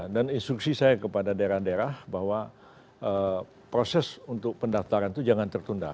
dan instruksi saya kepada daerah daerah bahwa proses untuk pendaftaran itu jangan tertunda